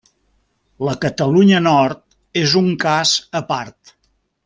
La Catalunya Nord és un cas a part.